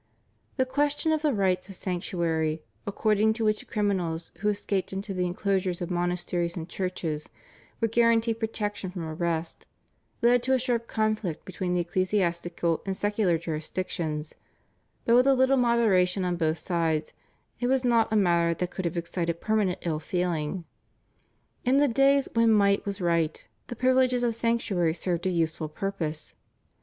The question of the rights of sanctuary, according to which criminals who escaped into the enclosures of monasteries and churches were guaranteed protection from arrest, led to a sharp conflict between the ecclesiastical and secular jurisdictions, but with a little moderation on both sides it was not a matter that could have excited permanent ill feeling. In the days when might was right the privileges of sanctuary served a useful purpose.